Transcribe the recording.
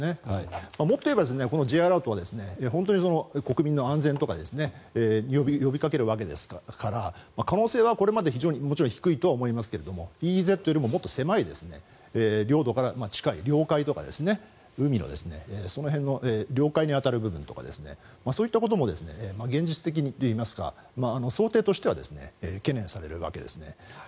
もっと言えばＪアラートは本当に国民の安全とか呼びかけるわけですから可能性は、これまで非常にもちろん低いとは思いますがＥＥＺよりもっと狭い領土から近い領海とか海の、その辺の領海に当たる部分とかそういったことも現実的にというか想定的に懸念されるわけですね。